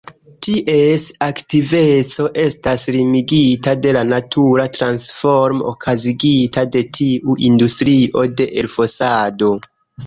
Ties aktiveco estas limigita de la natura transformo okazigita de tiu industrio de elfosado.